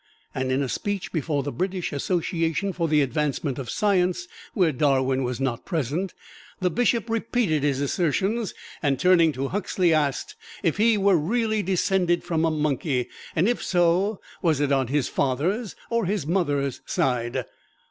And in a speech before the British Association for the Advancement of Science, where Darwin was not present, the Bishop repeated his assertions, and turning to Huxley, asked if he were really descended from a monkey, and if so, was it on his father's or his mother's side!